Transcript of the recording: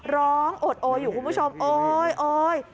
ร้องโอดโออยู่คุณผู้ชมเอ้ย